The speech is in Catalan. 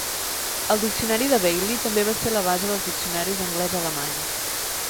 El diccionari de Bailey també va ser la base dels diccionaris anglès-alemany.